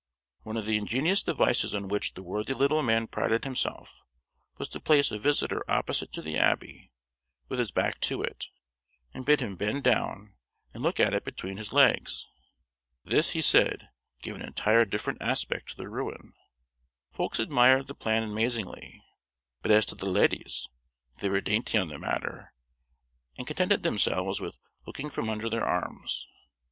One of the ingenious devices on which the worthy little man prided himself, was to place a visitor opposite to the Abbey, with his back to it, and bid him bend down and look at it between his legs. This, he said, gave an entire different aspect to the ruin. Folks admired the plan amazingly, but as to the "leddies," they were dainty on the matter, and contented themselves with looking from under their arms.